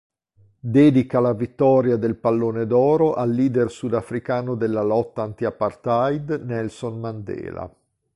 Dedica la vittoria del Pallone d'oro al leader sudafricano della lotta anti-apartheid Nelson Mandela.